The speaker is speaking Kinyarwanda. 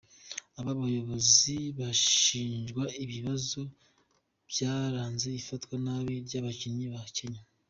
Aba bayobozi bashinjwa ibibazo byaranze ifatwa nabi ry'abakinnyi ba Kenya.